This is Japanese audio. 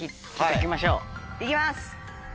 行きます！